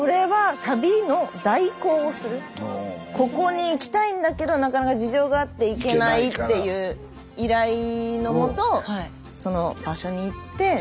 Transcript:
ここに行きたいんだけどなかなか事情があって行けないっていう依頼のもとその場所に行って。